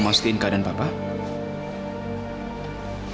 lapangan tersebut adalah ps tetapi